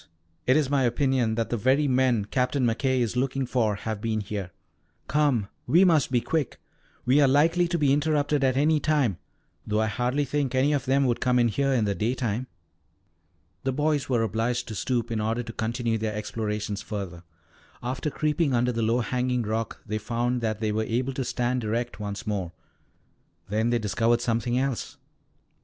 It is my opinion that the very men Captain McKay is looking for have been here. Come, we must be quick! We are likely to be interrupted at any time, though I hardly think any of them would come here in the daytime." The boys were obliged to stoop in order to continue their explorations further. After creeping under the low hanging rock they found that they were able to stand erect once more. Then they discovered something else.